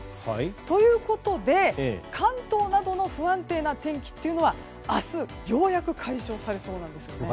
ということで関東などの不安定な天気というのは明日、ようやく解消されそうなんです。